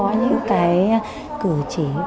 hoặc là có những thay đổi của các cụ